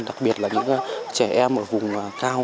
đặc biệt là những trẻ em ở vùng cao